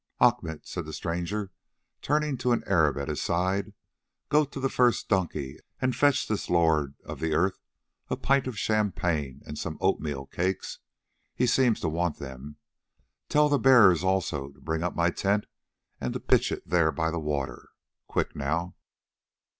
"Achmet," said the stranger, turning to an Arab at his side, "go to the first donkey and fetch this lord of the earth a pint of champagne and some oatmeal cakes; he seems to want them. Tell the bearers also to bring up my tent and to pitch it there by the water. Quick, now."